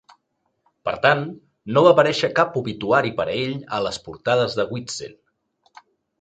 Per tant, no va aparèixer cap obituari per ell a les portades de "Wisden".